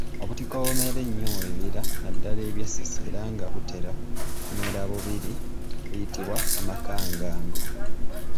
Obutiko obumera ennyo mu bibira naddala eby’e Ssese era nga butera kumera bubiri buyitibwa amakangango.